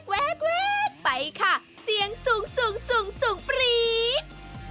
แว๊บไปค่ะเสียงสูงสูงปรี๊ด